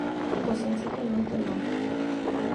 Pues sencillamente no.